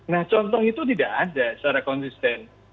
nah contoh itu tidak ada secara konsisten